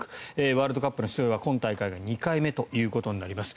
ワールドカップの出場は今大会が２回目となります。